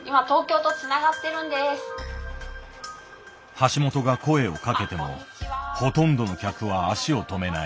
橋本が声をかけてもほとんどの客は足を止めない。